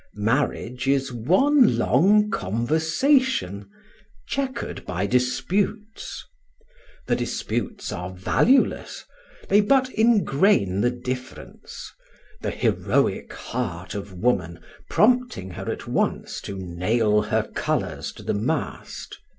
Marriage is one long conversation, chequered by disputes. The disputes are valueless; they but ingrain the difference; the heroic heart of woman prompting her at once to nail her colours to the mast.